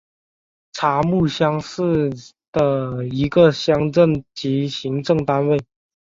查孜乡是的一个乡镇级行政单位。